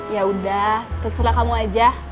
yaudah terserah kamu aja